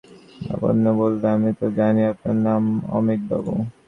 লাবণ্য বললে, আমি তো জানি আপনার নাম অমিতবাবু।